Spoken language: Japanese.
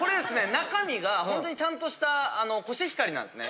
中身がほんとにちゃんとしたコシヒカリなんですね。